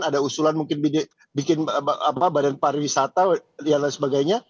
ada usulan mungkin bikin badan pariwisata dan lain sebagainya